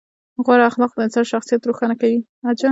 غوره اخلاق د انسان شخصیت روښانه کوي.